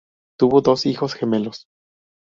Tuvo dos hijos gemelos.